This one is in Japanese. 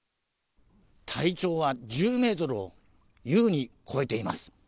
体長は１０メートルを優に超えています。